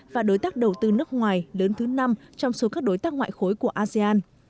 và đối tác đầu tư nước ngoài lớn thứ năm trong số các đối tác ngoại khối của asean